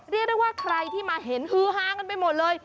เรียกได้ว่าใครที่มาเห็นฮือฮากันไปหมดเลย